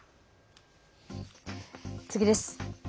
次です。